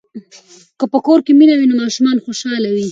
که په کور کې مینه وي نو ماشومان خوشاله وي.